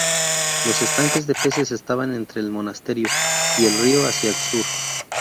Los estanques de peces estaban entre el monasterio y el río hacia el sur.